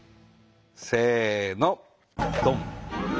せのどん！